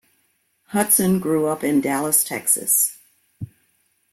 Hutson grew up in Dallas, Texas.